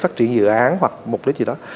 phát triển dự án hoặc mục đích gì đó